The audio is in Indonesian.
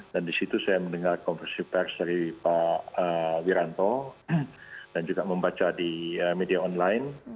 dan disitu saya mendengar konversi pers dari pak wiranto dan juga membaca di media online